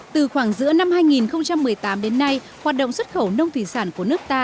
từ khoảng giữa năm hai nghìn một mươi tám đến nay hoạt động xuất khẩu nông thủy sản của nước ta